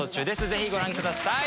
ぜひご覧ください！